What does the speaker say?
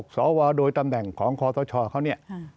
สวโดยตำแหน่งของคอสชเขาเนี่ย